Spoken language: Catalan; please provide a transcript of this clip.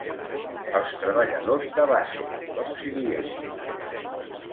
Els treballadors de base, com si diguéssim.